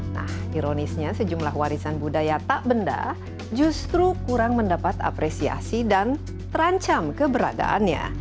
nah ironisnya sejumlah warisan budaya tak benda justru kurang mendapat apresiasi dan terancam keberadaannya